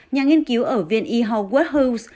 nhà nghiên cứu ở viện e h w